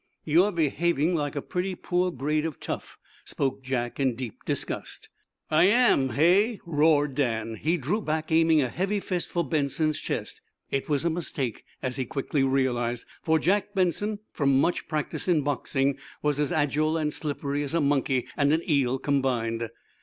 "You're behaving like a pretty poor grade of tough," spoke Jack, in deep disgust. "I am, hey?" roared Dan. He drew back, aiming a heavy fist for Benson's chest. It was a mistake, as he quickly realized, for Jack Benson, from much practice in boxing, was as agile and slippery as a monkey and an eel combined.